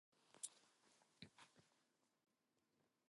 See Brecksville-Broadview Heights High School and North Royalton High School.